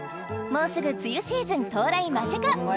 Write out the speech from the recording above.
もうすぐ梅雨シーズン到来間近！